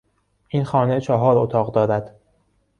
این خانه چهار اتاق دارد.